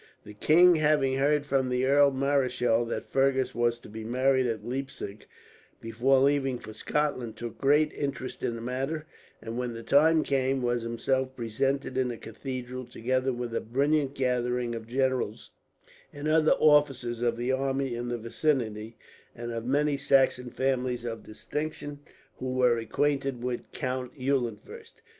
The king, having heard from the Earl Marischal that Fergus was to be married at Leipzig before leaving for Scotland, took great interest in the matter; and when the time came, was himself present in the cathedral, together with a brilliant gathering of generals and other officers of the army in the vicinity, and of many Saxon families of distinction who were acquainted with Count Eulenfurst.